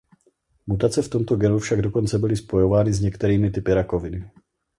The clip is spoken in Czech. Mutace v tomto genu však dokonce byly spojovány s některými typy rakoviny.